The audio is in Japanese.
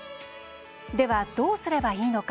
では、どうすればいいのか。